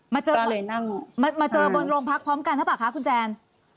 มาเจอบนโรงพักพร้อมกันหรือเปล่าคะคุณแจน